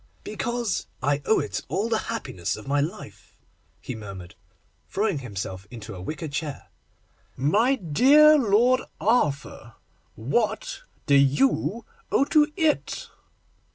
'Because I owe to it all the happiness of my life,' he murmured, throwing himself into a wicker chair. 'My dear Lord Arthur, what do you owe to it?